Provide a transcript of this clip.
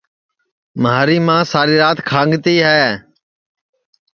مھاری ماں ساری رات کھانٚگتی ہے